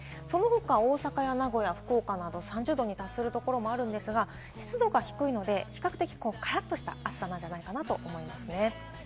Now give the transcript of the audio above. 大阪、名古屋、福岡などは３０度に達するところもありますが、湿度が低いので、比較的カラっとした暑さなんじゃないかなと思います。